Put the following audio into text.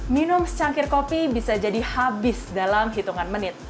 minum secangkir kopi bisa jadi habis dalam hitungan menit